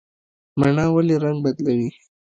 مڼه ولې رنګ بدلوي؟